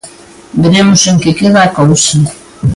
Veremos en que queda a cousa.